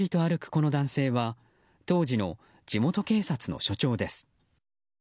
この男性は当時の地元警察の署長です。